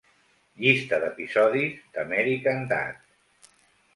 Llista d'episodis d'American Dad!